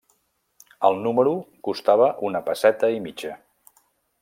El número costava una pesseta i mitja.